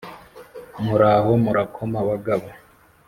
Muraho murakoma bagabo